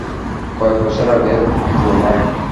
কয়েকবছর আগে তোলা।